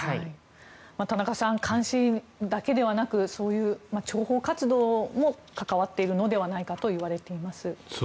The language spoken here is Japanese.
田中さん監視だけでなく、諜報活動も関わっているのではないかといわれています。